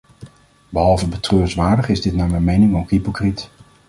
Behalve betreurenswaardig is dit naar mijn mening ook hypocriet.